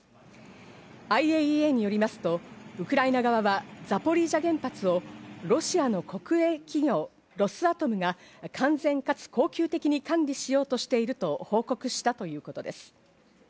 ＩＡＥＡによりますと、ウクライナ側はザポリージャ原発をロシアの国営企業ロスアトムが完全かつ恒久的に管理しようとしていると報告したということです。